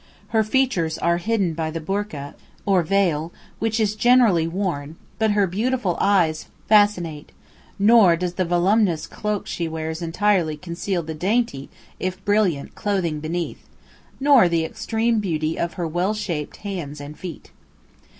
Her features are hidden by the "bourka," or veil, which is generally worn, but her beautiful eyes fascinate; nor does the voluminous cloak she wears entirely conceal the dainty, if brilliant, clothing beneath, nor the extreme beauty of her well shaped hands and feet.